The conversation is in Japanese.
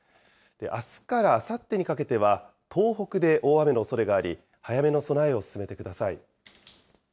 あすからあさってにかけては、東北で大雨のおそれがあり、早めの備えを進めてください。